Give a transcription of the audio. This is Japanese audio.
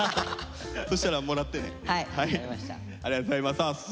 ありがとうございます。